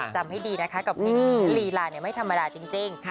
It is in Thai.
ให้ดีนะคะกับเพลงนี้ลีลาไม่ธรรมดาจริง